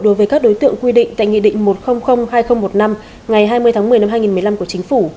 đối với các đối tượng quy định tại nghị định một trăm linh hai nghìn một mươi năm ngày hai mươi tháng một mươi năm hai nghìn một mươi năm của chính phủ